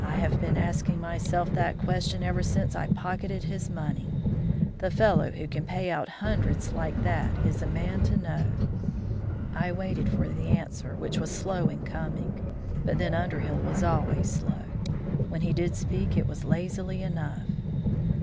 I have been asking myself that question ever since I pocketed his money. The fellow who can pay out hundreds like that is a man to know." I waited for the answer, which was slow in coming. But then Underhill was always slow. When he did speak it was lazily enough.